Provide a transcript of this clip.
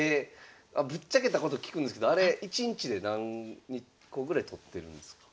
ぶっちゃけたこと聞くんですけどあれ１日で何個ぐらい撮ってるんですか？